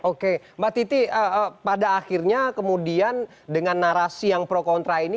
oke mbak titi pada akhirnya kemudian dengan narasi yang pro kontra ini